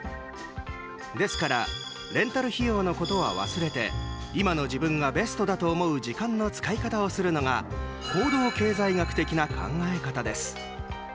ですからレンタル費用のことは忘れて今の自分がベストだと思う時間の使い方をするのが行動経済学な考え方です。